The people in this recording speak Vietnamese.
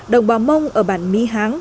đồng bào mông ở bản my háng